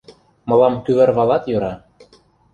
— Мылам кӱварвалат йӧра.